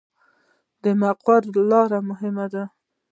د مقر لاره مهمه ده